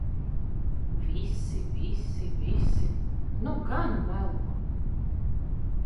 Visi, visi, visi... Nu gan melo!